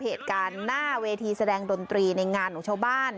เหตุการณ์หน้าเวทีแสดงดนตรีในงานของชาวบ้าน